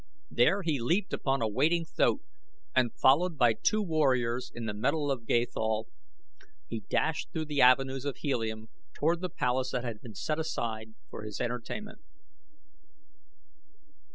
There he leaped upon a waiting thoat and followed by two warriors in the metal of Gathol, he dashed through the avenues of Helium toward the palace that had been set aside for his entertainment.